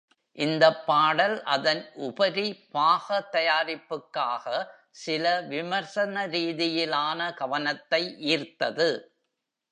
இந்தப் பாடல், அதன் உபரி பாக தயாரிப்புக்காக, சில விமர்சனரீதியிலான கவனத்தை ஈர்த்தது.